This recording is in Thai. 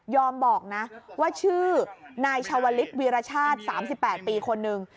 บอกนะว่าชื่อนายชาวลิศวีรชาติ๓๘ปีคนนึง